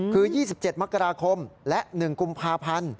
คือ๒๗มกราคมและ๑กุมภาพันธ์